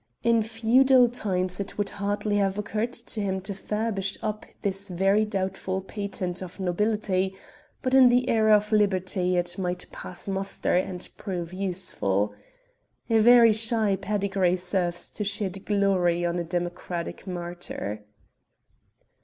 In feudal times it would hardly have occurred to him to furbish up this very doubtful patent of nobility; but in the era of liberty it might pass muster and prove useful. A very shy pedigree serves to shed glory on a democratic martyr.